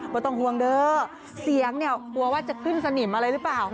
ไม่ต้องห่วงเด้อเสียงเนี่ยกลัวว่าจะขึ้นสนิมอะไรหรือเปล่า